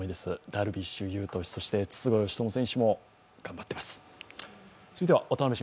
ダルビッシュ有選手、筒香嘉智選手も頑張っています。